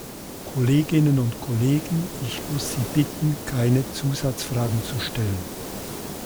Kolleginnen und Kollegen, ich muss Sie bitten, keine Zusatzfragen zu stellen.